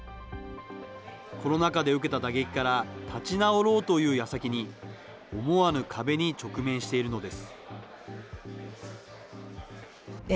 コロナ禍で受けた打撃から立ち直ろうというやさきに、思わぬ壁に直面しているのです。